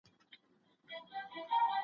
هغه د صحنې له وضعيت څخه حيران ښکاري.